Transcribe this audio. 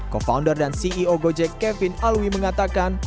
co founder dan ceo gojek kevin alwi mengatakan